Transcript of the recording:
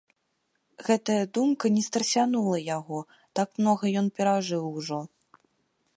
Гэтая думка не страсянула яго, так многа ён перажыў ужо.